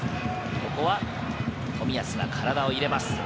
ここは冨安が体を入れます。